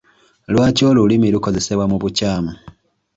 Lwaki olulimi lukozesebwa mu bukyamu?